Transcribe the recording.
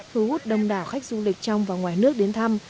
thu hút đông đảo khách du lịch trong và ngoài nước đến thăm